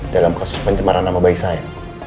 dalam kasus pencemaran nama baik saya